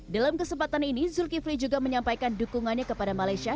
dalam kesempatan ini zulkifli juga menyampaikan dukungannya kepada malaysia